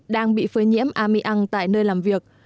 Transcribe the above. đang bị phơi nhiễm amiang tại nơi làm việc